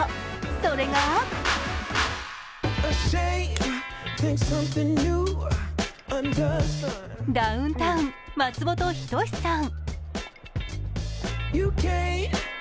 それが、ダウンタウン・松本人志さん。